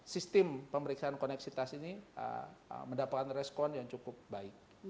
sistem pemeriksaan koneksitas ini mendapatkan respon yang cukup baik